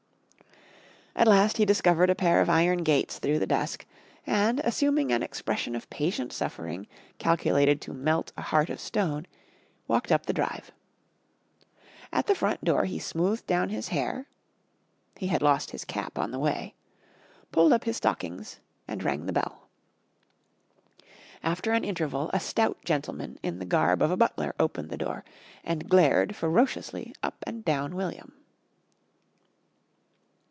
At last he discovered a pair of iron gates through the dusk and, assuming an expression of patient suffering calculated to melt a heart of stone, walked up the drive. At the front door he smoothed down his hair (he had lost his cap on the way), pulled up his stockings, and rang the bell. After an interval a stout gentleman in the garb of a butler opened the door and glared ferociously up and down William.